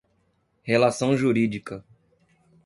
relação jurídica;